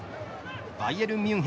バイエルン